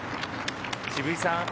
渋井さん